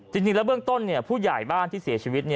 จริงแล้วเบื้องต้นผู้ใหญ่บ้านที่เสียชีวิต